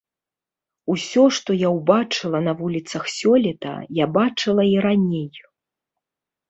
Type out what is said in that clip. Усё што я ўбачыла на вуліцах сёлета, я бачыла і раней.